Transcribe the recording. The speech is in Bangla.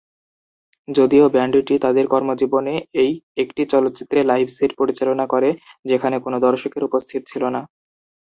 যদিও ব্যান্ডটি তাদের কর্মজীবনে এই একটি চলচ্চিত্রে লাইভ সেট পরিচালনা করে যেখানে কোন দর্শকের উপস্থিত ছিল না।